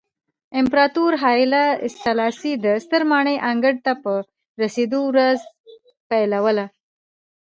امپراتور هایله سلاسي د سترې ماڼۍ انګړ ته په رسېدو ورځ پیلوله.